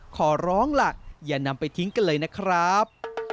ขอร้องล่ะอย่านำไปทิ้งกันเลยนะครับ